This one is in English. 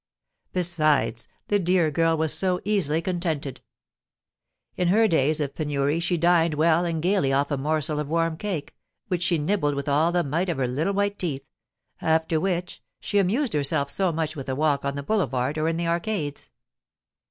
Besides, the dear girl was so easily contented! In her days of penury she dined well and gaily off a morsel of warm cake, which she nibbled with all the might of her little white teeth; after which, she amused herself so much with a walk on the boulevards or in the arcades.